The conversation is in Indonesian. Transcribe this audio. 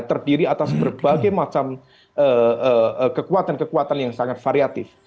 terdiri atas berbagai macam kekuatan kekuatan yang sangat variatif